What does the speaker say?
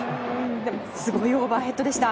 すごいオーバーヘッドでした。